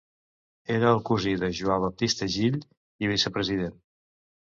Era el cosí de Jua Bautista Gill i vicepresident.